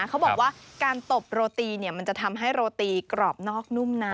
เขาบอกว่าการตบโรตีมันจะทำให้โรตีกรอบนอกนุ่มนะ